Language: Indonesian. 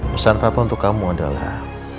pesan bapak untuk kamu adalah